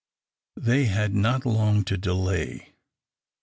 They had not long to delay.